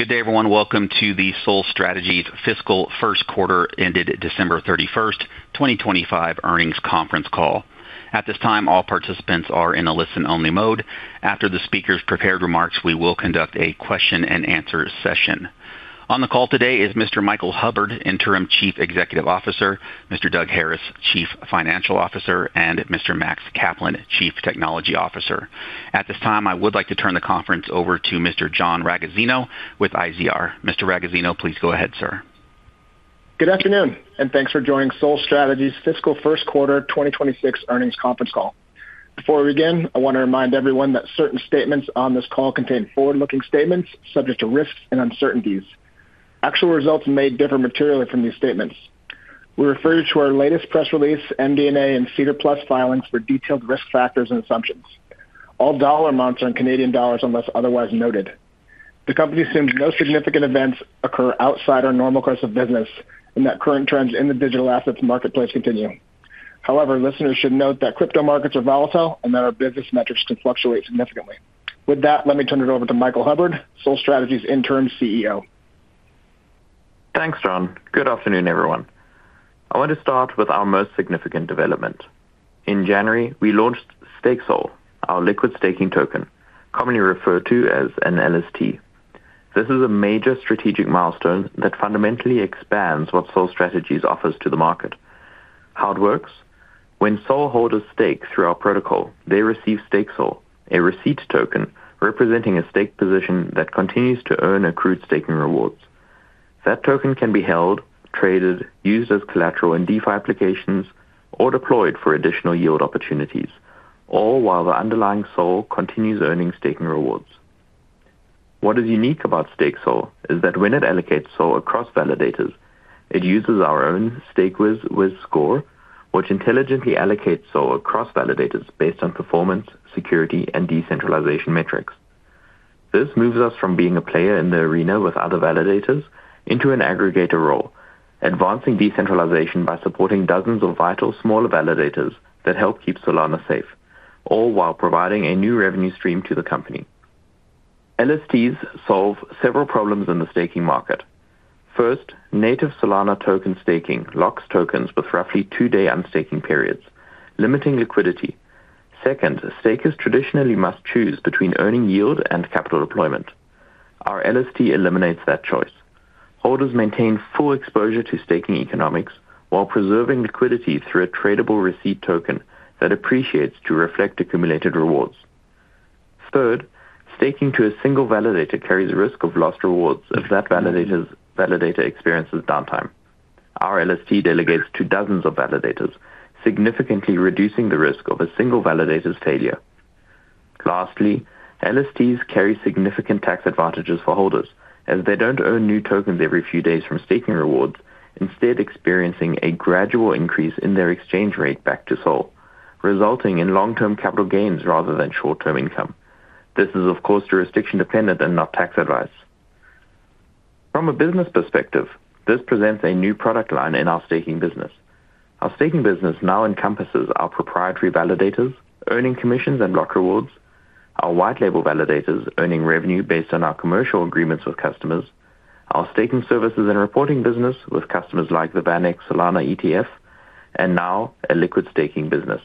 Good day, everyone. Welcome to the SOL Strategies' fiscal first quarter ended December 31, 2025 earnings conference call. At this time, all participants are in a listen-only mode. After the speaker's prepared remarks, we will conduct a question-and-answer session. On the call today is Mr. Michael Hubbard, Interim Chief Executive Officer, Mr. Doug Harris, Chief Financial Officer, and Mr. Max Kaplan, Chief Technology Officer. At this time, I would like to turn the conference over to Mr. John Ragozzino with ICR. Mr. Ragozzino, please go ahead, sir. Good afternoon, and thanks for joining SOL Strategies' fiscal first quarter 2026 earnings conference call. Before we begin, I want to remind everyone that certain statements on this call contain forward-looking statements subject to risks and uncertainties. Actual results may differ materially from these statements. We refer you to our latest press release, MD&A, and SEDAR+ filings for detailed risk factors and assumptions. All dollar amounts are in Canadian dollars unless otherwise noted. The company assumes no significant events occur outside our normal course of business and that current trends in the digital assets marketplace continue. However, listeners should note that crypto markets are volatile and that our business metrics can fluctuate significantly. With that, let me turn it over to Michael Hubbard, SOL Strategies' Interim CEO. Thanks, John. Good afternoon, everyone. I want to start with our most significant development. In January, we launched STKESOL, our liquid staking token, commonly referred to as an LST. This is a major strategic milestone that fundamentally expands what SOL Strategies offers to the market. How it works: when SOL holders stake through our protocol, they receive STKESOL, a receipt token representing a stake position that continues to earn accrued staking rewards. That token can be held, traded, used as collateral in DeFi applications, or deployed for additional yield opportunities, all while the underlying SOL continues earning staking rewards. What is unique about STKESOL is that when it allocates SOL across validators, it uses our own Stakewiz score, which intelligently allocates SOL across validators based on performance, security, and decentralization metrics. This moves us from being a player in the arena with other validators into an aggregator role, advancing decentralization by supporting dozens of vital smaller validators that help keep Solana safe, all while providing a new revenue stream to the company. LSTs solve several problems in the staking market. First, native Solana token staking locks tokens with roughly two-day unstaking periods, limiting liquidity. Second, stakers traditionally must choose between earning yield and capital deployment. Our LST eliminates that choice. Holders maintain full exposure to staking economics while preserving liquidity through a tradable receipt token that appreciates to reflect accumulated rewards. Third, staking to a single validator carries a risk of lost rewards if that validator's validator experiences downtime. Our LST delegates to dozens of validators, significantly reducing the risk of a single validator's failure. Lastly, LSTs carry significant tax advantages for holders as they don't earn new tokens every few days from staking rewards, instead experiencing a gradual increase in their exchange rate back to SOL, resulting in long-term capital gains rather than short-term income. This is, of course, jurisdiction-dependent and not tax advice. From a business perspective, this presents a new product line in our staking business. Our staking business now encompasses our proprietary validators, earning commissions and block rewards, our white label validators earning revenue based on our commercial agreements with customers, our staking services and reporting business with customers like the VanEck Solana ETF, and now a liquid staking business,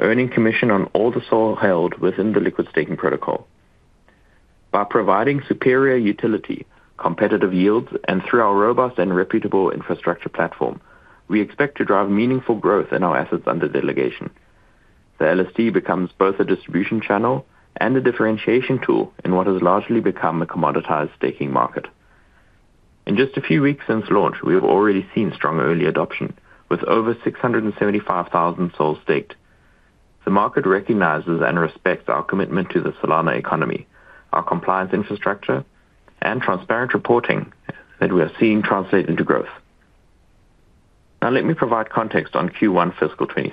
earning commission on all the SOL held within the liquid staking protocol. By providing superior utility, competitive yields, and through our robust and reputable infrastructure platform, we expect to drive meaningful growth in our assets under delegation. The LST becomes both a distribution channel and a differentiation tool in what has largely become a commoditized staking market. In just a few weeks since launch, we have already seen strong early adoption, with over 675,000 SOL staked. The market recognizes and respects our commitment to the Solana economy, our compliance infrastructure, and transparent reporting that we are seeing translate into growth. Now, let me provide context on Q1 fiscal year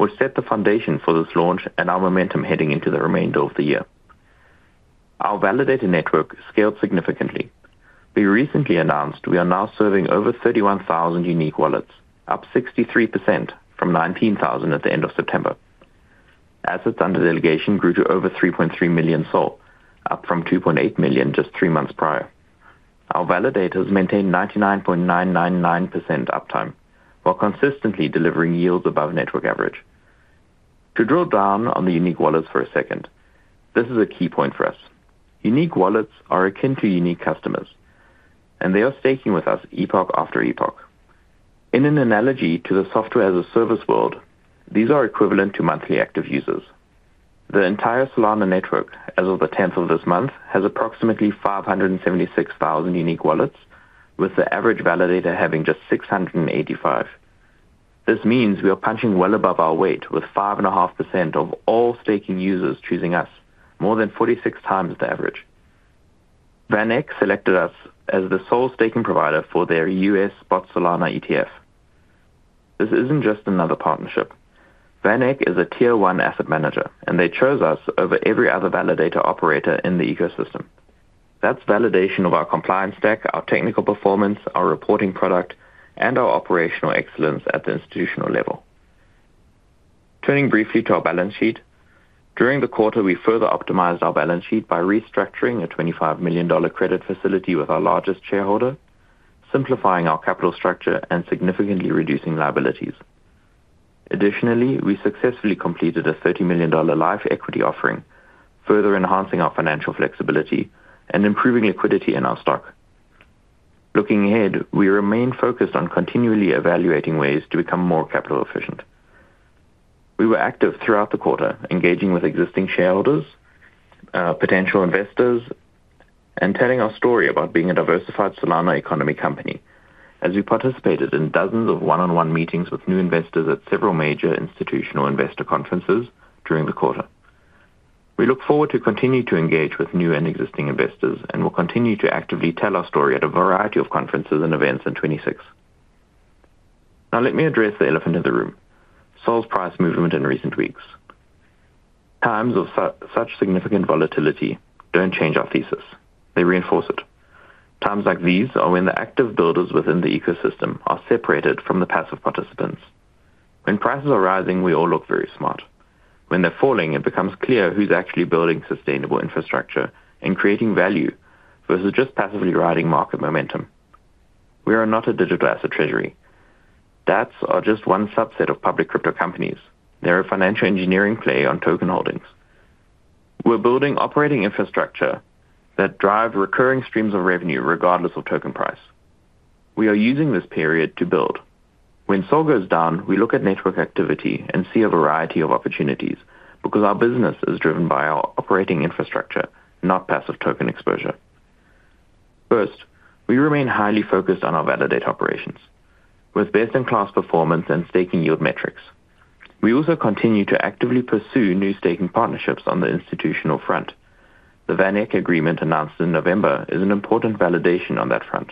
2026, which set the foundation for this launch and our momentum heading into the remainder of the year. Our validator network scaled significantly. We recently announced we are now serving over 31,000 unique wallets, up 63% from 19,000 at the end of September. Assets under delegation grew to over 3.3 million SOL, up from 2.8 million just three months prior. Our validators maintained 99.999% uptime while consistently delivering yields above network average. To drill down on the unique wallets for a second, this is a key point for us. Unique wallets are akin to unique customers, and they are staking with us epoch after epoch. In an analogy to the software-as-a-service world, these are equivalent to monthly active users. The entire Solana network, as of the tenth of this month, has approximately 576,000 unique wallets, with the average validator having just 685. This means we are punching well above our weight, with 5.5% of all staking users choosing us, more than 46 times the average. VanEck selected us as the sole staking provider for their U.S. spot Solana ETF. This isn't just another partnership. VanEck is a Tier 1 asset manager, and they chose us over every other validator operator in the ecosystem. That's validation of our compliance stack, our technical performance, our reporting product, and our operational excellence at the institutional level.... Turning briefly to our balance sheet. During the quarter, we further optimized our balance sheet by restructuring a $25 million credit facility with our largest shareholder, simplifying our capital structure, and significantly reducing liabilities. Additionally, we successfully completed a $30 million live equity offering, further enhancing our financial flexibility and improving liquidity in our stock. Looking ahead, we remain focused on continually evaluating ways to become more capital efficient. We were active throughout the quarter, engaging with existing shareholders, potential investors, and telling our story about being a diversified Solana economy company as we participated in dozens of one-on-one meetings with new investors at several major institutional investor conferences during the quarter. We look forward to continuing to engage with new and existing investors, and we'll continue to actively tell our story at a variety of conferences and events in 2026. Now, let me address the elephant in the room, SOL's price movement in recent weeks. Times of such significant volatility don't change our thesis. They reinforce it. Times like these are when the active builders within the ecosystem are separated from the passive participants. When prices are rising, we all look very smart. When they're falling, it becomes clear who's actually building sustainable infrastructure and creating value versus just passively riding market momentum. We are not a digital asset treasury. DApps are just one subset of public crypto companies. They're a financial engineering play on token holdings. We're building operating infrastructure that drive recurring streams of revenue regardless of token price. We are using this period to build. When SOL goes down, we look at network activity and see a variety of opportunities because our business is driven by our operating infrastructure, not passive token exposure. First, we remain highly focused on our validator operations, with best-in-class performance and staking yield metrics. We also continue to actively pursue new staking partnerships on the institutional front. The VanEck agreement announced in November is an important validation on that front.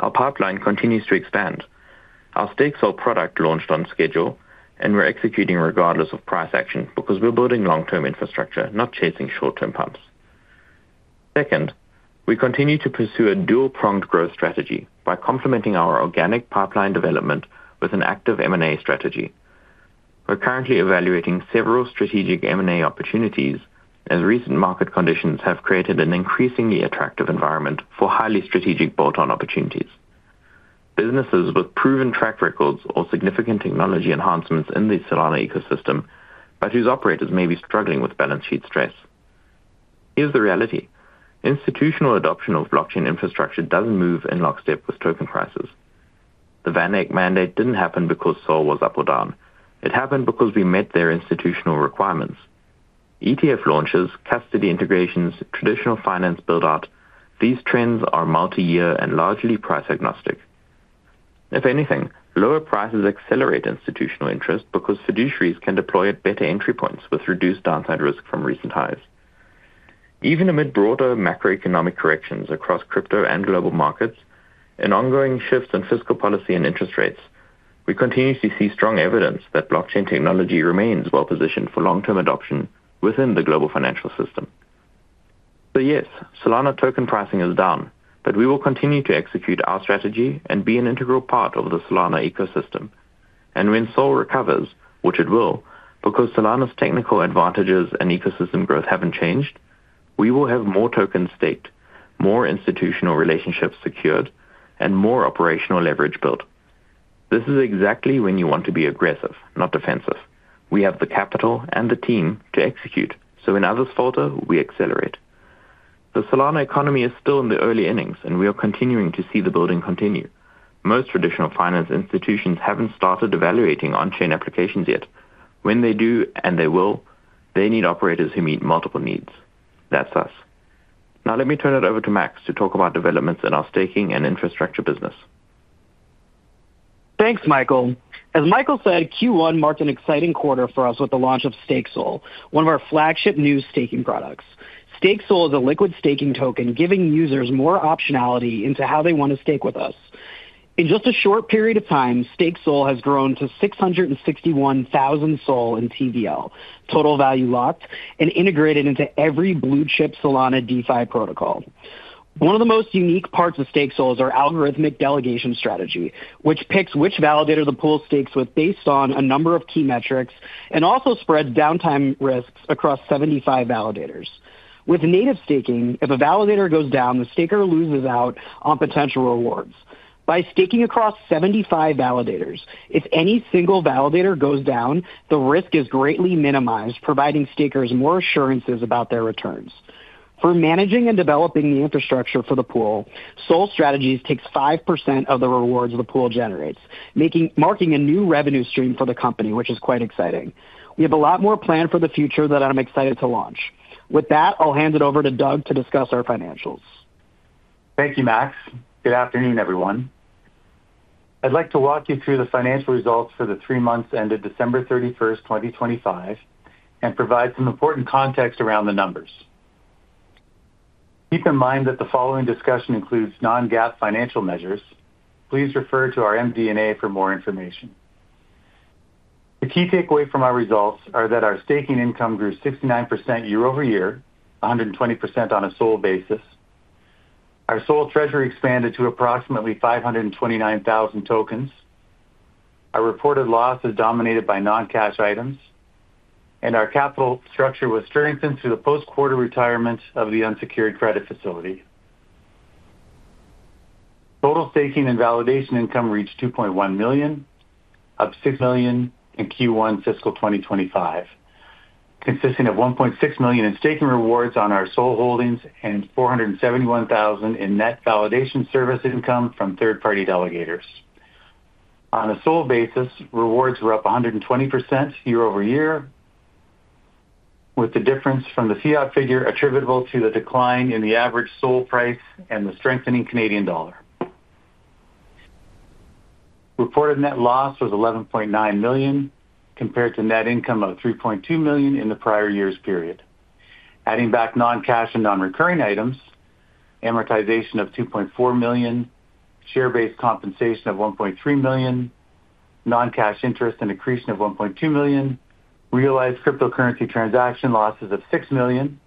Our pipeline continues to expand. Our stake SOL product launched on schedule, and we're executing regardless of price action because we're building long-term infrastructure, not chasing short-term pumps. Second, we continue to pursue a dual-pronged growth strategy by complementing our organic pipeline development with an active M&A strategy. We're currently evaluating several strategic M&A opportunities, as recent market conditions have created an increasingly attractive environment for highly strategic bolt-on opportunities. Businesses with proven track records or significant technology enhancements in the Solana ecosystem, but whose operators may be struggling with balance sheet stress. Here's the reality: institutional adoption of blockchain infrastructure doesn't move in lockstep with token prices. The VanEck mandate didn't happen because SOL was up or down. It happened because we met their institutional requirements. ETF launches, custody integrations, traditional finance build-out, these trends are multi-year and largely price-agnostic. If anything, lower prices accelerate institutional interest because fiduciaries can deploy at better entry points with reduced downside risk from recent highs. Even amid broader macroeconomic corrections across crypto and global markets and ongoing shifts in fiscal policy and interest rates, we continue to see strong evidence that blockchain technology remains well positioned for long-term adoption within the global financial system. So yes, Solana token pricing is down, but we will continue to execute our strategy and be an integral part of the Solana ecosystem. And when SOL recovers, which it will, because Solana's technical advantages and ecosystem growth haven't changed, we will have more tokens staked, more institutional relationships secured, and more operational leverage built. This is exactly when you want to be aggressive, not defensive. We have the capital and the team to execute, so when others falter, we accelerate. The Solana economy is still in the early innings, and we are continuing to see the building continue. Most traditional finance institutions haven't started evaluating on-chain applications yet. When they do, and they will, they need operators who meet multiple needs. That's us. Now, let me turn it over to Max to talk about developments in our staking and infrastructure business. Thanks, Michael. As Michael said, Q1 marked an exciting quarter for us with the launch of STKESOL, one of our flagship new staking products. STKESOL is a liquid staking token, giving users more optionality into how they want to stake with us. In just a short period of time, STKESOL has grown to 661,000 SOL in TVL, total value locked, and integrated into every blue-chip Solana DeFi protocol. One of the most unique parts of STKESOL is our algorithmic delegation strategy, which picks which validator the pool stakes with based on a number of key metrics and also spreads downtime risks across 75 validators. With native staking, if a validator goes down, the staker loses out on potential rewards. By staking across 75 validators, if any single validator goes down, the risk is greatly minimized, providing stakers more assurances about their returns. For managing and developing the infrastructure for the pool, SOL Strategies takes 5% of the rewards the pool generates, marking a new revenue stream for the company, which is quite exciting. We have a lot more planned for the future that I'm excited to launch. With that, I'll hand it over to Doug to discuss our financials. Thank you, Max. Good afternoon, everyone. I'd like to walk you through the financial results for the three months ended December 31, 2025, and provide some important context around the numbers. Keep in mind that the following discussion includes non-GAAP financial measures. Please refer to our MD&A for more information. The key takeaway from our results are that our staking income grew 69% year-over-year, 120% on a SOL basis. Our SOL treasury expanded to approximately 529,000 tokens. Our reported loss is dominated by non-cash items, and our capital structure was strengthened through the post-quarter retirement of the unsecured credit facility. Total staking and validation income reached 2.1 million, up 6 million in Q1 fiscal year 2025, consisting of 1.6 million in staking rewards on our SOL holdings and 471,000 in net validation service income from third-party delegators. On a SOL basis, rewards were up 120% year-over-year, with the difference from the fiat figure attributable to the decline in the average SOL price and the strengthening Canadian dollar. Reported net loss was 11.9 million, compared to net income of 3.2 million in the prior year's period. Adding back non-cash and non-recurring items, amortization of 2.4 million, share-based compensation of 1.3 million, non-cash interest and accretion of 1.2 million, realized cryptocurrency transaction losses of 6 million.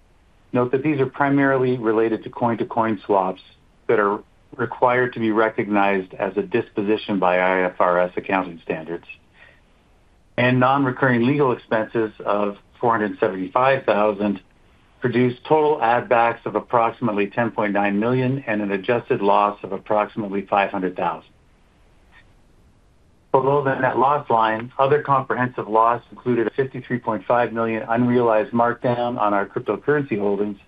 Note that these are primarily related to coin-to-coin swaps that are required to be recognized as a disposition by IFRS accounting standards, and non-recurring legal expenses of 475,000 produce total add-backs of approximately 10.9 million and an adjusted loss of approximately 500,000. Below the net loss line, other comprehensive loss included a 53.5 million unrealized markdown on our cryptocurrency holdings,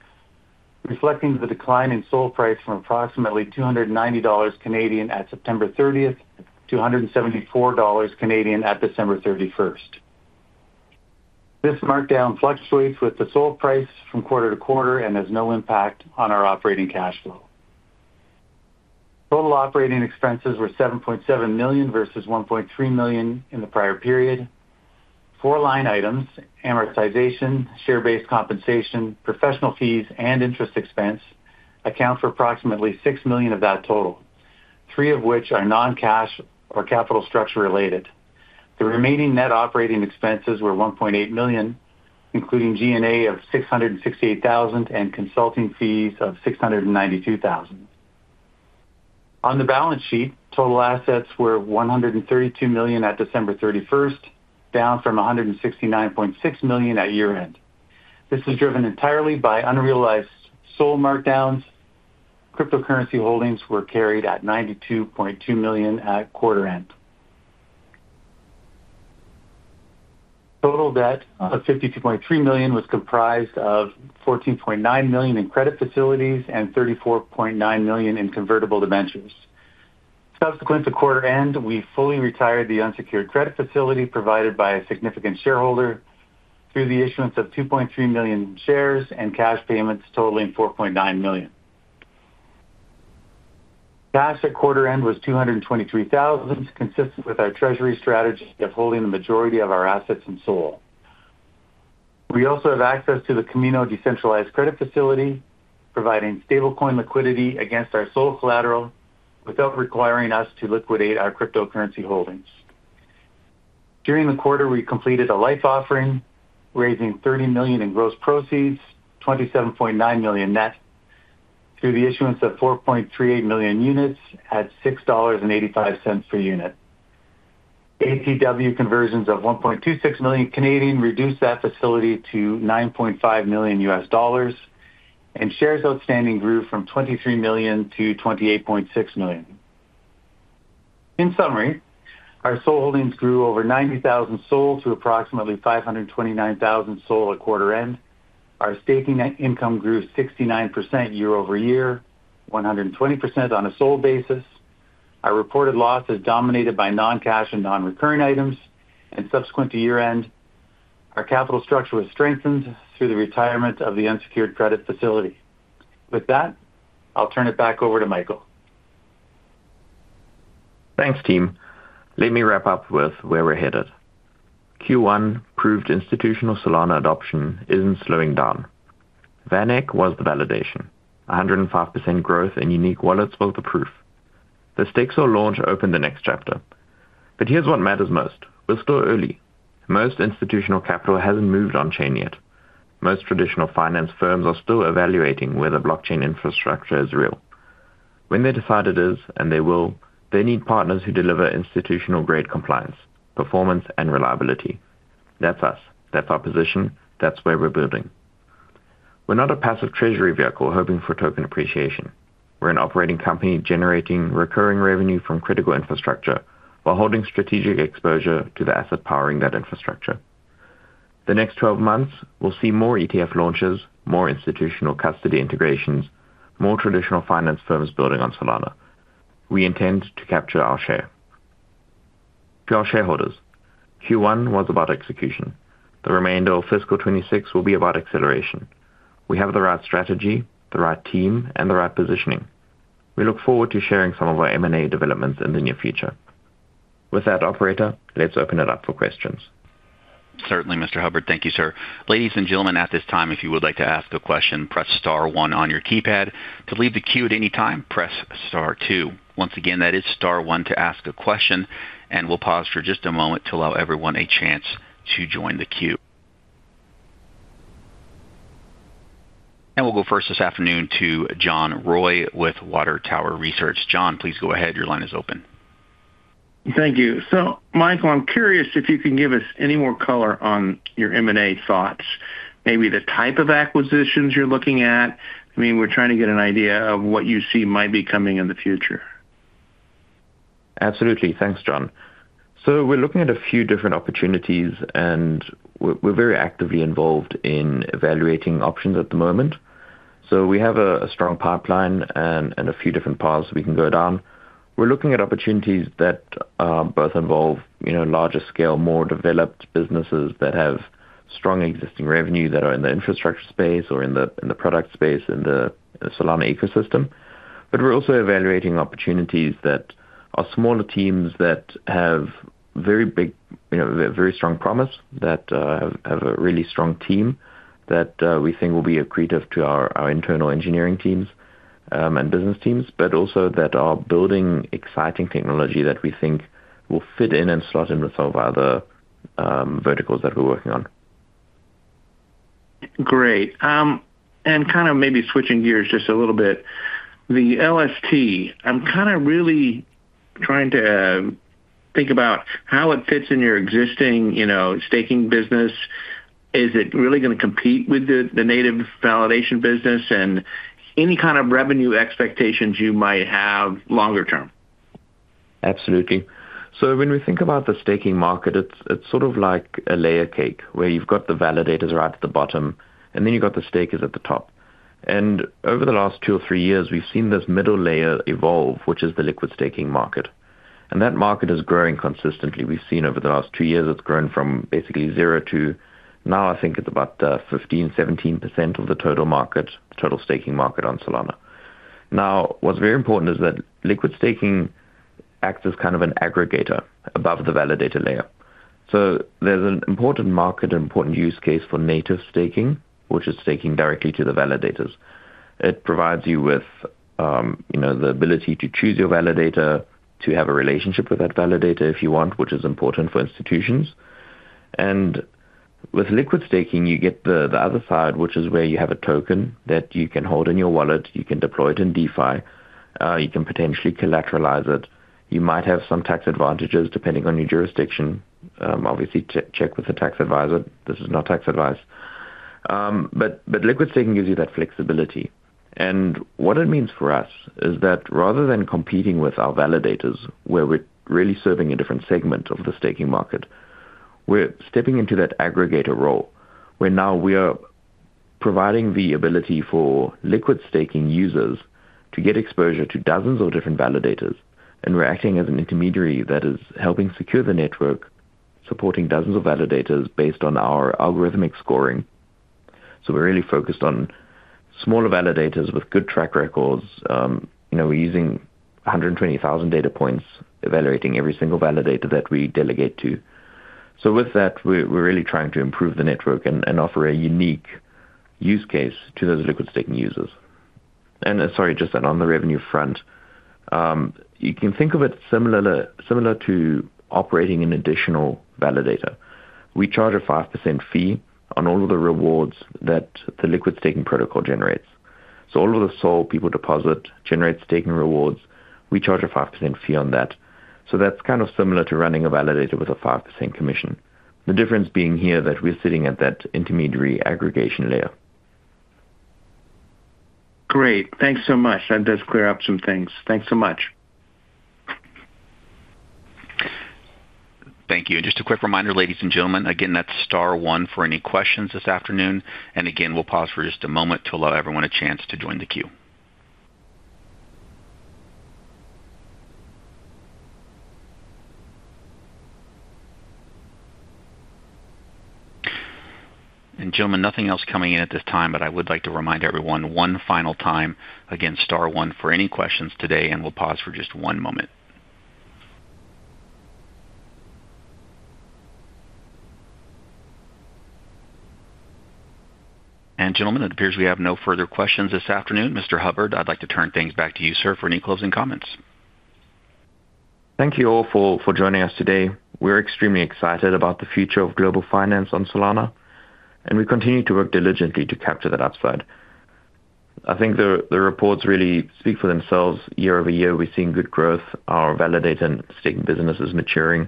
reflecting the decline in SOL price from approximately 290 Canadian dollars at September thirtieth to 174 Canadian dollars at December 31st. This markdown fluctuates with the SOL price from quarter to quarter and has no impact on our operating cash flow. Total operating expenses were 7.7 million versus 1.3 million in the prior period. Four line items, amortization, share-based compensation, professional fees, and interest expense account for approximately 6 million of that total, three of which are non-cash or capital structure related. The remaining net operating expenses were 1.8 million, including G&A of 668,000 and consulting fees of 692,000. On the balance sheet, total assets were 132 million at December 31, down from 169.6 million at year-end. This is driven entirely by unrealized SOL markdowns. Cryptocurrency holdings were carried at 92.2 million at quarter end. Total debt of 52.3 million was comprised of 14.9 million in credit facilities and 34.9 million in convertible debentures. Subsequent to quarter end, we fully retired the unsecured credit facility provided by a significant shareholder through the issuance of 2.3 million shares and cash payments totaling 4.9 million. Cash at quarter end was 223,000, consistent with our treasury strategy of holding the majority of our assets in SOL. We also have access to the Kamino decentralized credit facility, providing stablecoin liquidity against our SOL collateral without requiring us to liquidate our cryptocurrency holdings. During the quarter, we completed a private offering, raising 30 million in gross proceeds, 27.9 million net, through the issuance of 4.38 million units at 6.85 dollars per unit. ATW conversions of 1.26 million reduced that facility to $9.5 million, and shares outstanding grew from 23 million to 28.6 million. In summary, our SOL holdings grew over 90,000 SOL to approximately 529,000 SOL at quarter end. Our staking net income grew 69% year-over-year, 120% on a SOL basis. Our reported loss is dominated by non-cash and non-recurring items, and subsequent to year-end, our capital structure was strengthened through the retirement of the unsecured credit facility. With that, I'll turn it back over to Michael. Thanks, team. Let me wrap up with where we're headed. Q1 proved institutional Solana adoption isn't slowing down. VanEck was the validation. 105% growth in unique wallets was the proof. The STKESOL launch opened the next chapter. But here's what matters most: We're still early. Most institutional capital hasn't moved on chain yet. Most traditional finance firms are still evaluating whether blockchain infrastructure is real. When they decide it is, and they will, they need partners who deliver institutional-grade compliance, performance, and reliability. That's us. That's our position. That's where we're building. We're not a passive treasury vehicle hoping for token appreciation. We're an operating company generating recurring revenue from critical infrastructure while holding strategic exposure to the asset powering that infrastructure. The next 12 months, we'll see more ETF launches, more institutional custody integrations, more traditional finance firms building on Solana. We intend to capture our share. To our shareholders, Q1 was about execution. The remainder of fiscal year 2026 will be about acceleration. We have the right strategy, the right team, and the right positioning. We look forward to sharing some of our M&A developments in the near future. With that, operator, let's open it up for questions. Certainly, Mr. Hubbard. Thank you, sir. Ladies and gentlemen, at this time, if you would like to ask a question, press star one on your keypad. To leave the queue at any time, press star two. Once again, that is star one to ask a question, and we'll pause for just a moment to allow everyone a chance to join the queue. We'll go first this afternoon to John Roy with Water Tower Research. John, please go ahead. Your line is open. Thank you. So Michael, I'm curious if you can give us any more color on your M&A thoughts, maybe the type of acquisitions you're looking at. I mean, we're trying to get an idea of what you see might be coming in the future. Absolutely. Thanks, John. So we're looking at a few different opportunities, and we're very actively involved in evaluating options at the moment. So we have a strong pipeline and a few different paths we can go down. We're looking at opportunities that both involve, you know, larger scale, more developed businesses that have strong existing revenue, that are in the infrastructure space or in the product space, in the Solana ecosystem. But we're also evaluating opportunities that are smaller teams that have very big, you know, very strong promise, that have a really strong team that we think will be accretive to our internal engineering teams and business teams, but also that are building exciting technology that we think will fit in and slot in with some of our other verticals that we're working on. Great. Kind of maybe switching gears just a little bit. The LST, I'm kinda really trying to think about how it fits in your existing, you know, staking business. Is it really gonna compete with the native validation business, and any kind of revenue expectations you might have longer term? Absolutely. So when we think about the staking market, it's, it's sort of like a layer cake, where you've got the validators right at the bottom, and then you've got the stakers at the top. And over the last two or three years, we've seen this middle layer evolve, which is the liquid staking market, and that market is growing consistently. We've seen over the last two years, it's grown from basically zero to now I think it's about 15%-17% of the total market, total staking market on Solana. Now, what's very important is that liquid staking acts as kind of an aggregator above the validator layer. So there's an important market and important use case for native staking, which is staking directly to the validators. It provides you with, you know, the ability to choose your validator, to have a relationship with that validator if you want, which is important for institutions. With liquid staking, you get the other side, which is where you have a token that you can hold in your wallet, you can deploy it in DeFi, you can potentially collateralize it. You might have some tax advantages depending on your jurisdiction. Obviously, check with a tax advisor. This is not tax advice. Liquid staking gives you that flexibility. What it means for us is that rather than competing with our validators, where we're really serving a different segment of the staking market, we're stepping into that aggregator role, where now we are providing the ability for liquid staking users to get exposure to dozens of different validators, and we're acting as an intermediary that is helping secure the network, supporting dozens of validators based on our algorithmic scoring. So we're really focused on smaller validators with good track records. You know, we're using 120,000 data points, evaluating every single validator that we delegate to. So with that, we're really trying to improve the network and offer a unique use case to those liquid staking users. And sorry, just that on the revenue front, you can think of it similar to operating an additional validator. We charge a 5% fee on all of the rewards that the liquid staking protocol generates. So all of the SOL people deposit generates staking rewards, we charge a 5% fee on that. So that's kind of similar to running a validator with a 5% commission. The difference being here that we're sitting at that intermediary aggregation layer. Great. Thanks so much. That does clear up some things. Thanks so much. Thank you. Just a quick reminder, ladies and gentlemen, again, that's star one for any questions this afternoon, and again, we'll pause for just a moment to allow everyone a chance to join the queue. Gentlemen, nothing else coming in at this time, but I would like to remind everyone one final time, again, star one for any questions today, and we'll pause for just one moment. Gentlemen, it appears we have no further questions this afternoon. Mr. Hubbard, I'd like to turn things back to you, sir, for any closing comments. Thank you all for joining us today. We're extremely excited about the future of global finance on Solana, and we continue to work diligently to capture that upside. I think the reports really speak for themselves. Year-over-year, we've seen good growth. Our validator and staking business is maturing.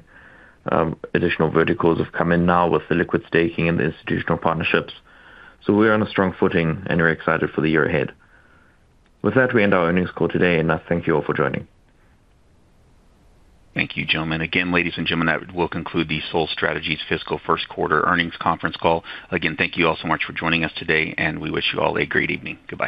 Additional verticals have come in now with the liquid staking and the institutional partnerships. So we are on a strong footing and we're excited for the year ahead. With that, we end our earnings call today, and I thank you all for joining. Thank you, gentlemen. Again, ladies and gentlemen, that will conclude the SOL Strategies' fiscal first quarter earnings conference call. Again, thank you all so much for joining us today, and we wish you all a great evening. Goodbye.